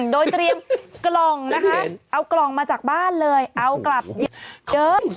โดยเตรียมกล่องนะคะเอากล่องมาจากบ้านเลยเอากลับเดิม